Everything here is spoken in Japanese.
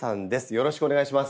よろしくお願いします。